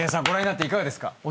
ご覧になっていかがですか？